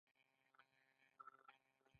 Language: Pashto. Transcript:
دا منل کیدل د اهلیت په اساس ترسره کیږي.